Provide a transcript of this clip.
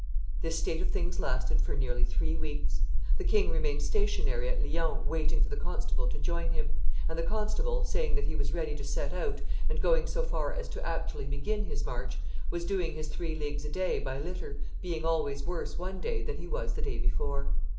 This state of things lasted far nearly three weeks. The king remained stationary at Lyons waiting for the constable to join him; and the constable, saying he was ready to set out and going so far as to actually begin his march, was doing his three leagues a day by litter, being always worse one day than he was the day before.